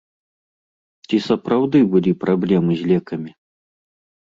Ці сапраўды былі праблемы з лекамі?